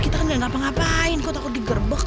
kita kan gak ngapa ngapain kok takut digerbek